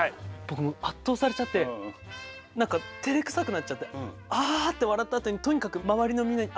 僕もう圧倒されちゃって何かてれくさくなっちゃって「アハハ」って笑ったあとにとにかく周りのみんなに。